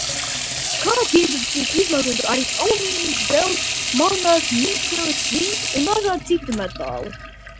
Kā piedeva tiek izmantots arī alumīnijs, dzelzs, mangāns, niķelis, svins un daži citi metāli.